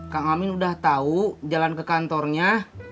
kang amin udah tahu jalan ke kantornya